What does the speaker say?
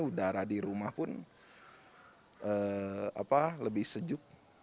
udara di rumah pun lebih sejuk